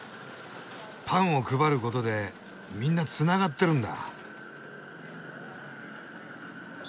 パンを配ることでみんなつながってるんだ。